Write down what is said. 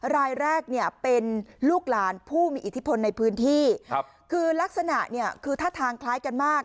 รายแรกเนี่ยเป็นลูกหลานผู้มีอิทธิพลในพื้นที่ครับคือลักษณะเนี่ยคือท่าทางคล้ายกันมาก